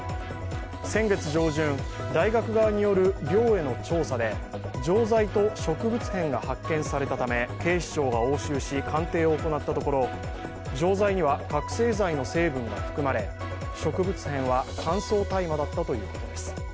先月上旬、大学側による寮への調査で錠剤と植物片が発見されたため警視庁が押収し鑑定を行ったところ、錠剤には覚醒剤の成分が含まれ植物片は乾燥大麻だったということです。